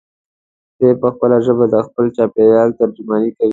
دی په خپله ژبه د خپل چاپېریال ترجماني کوي.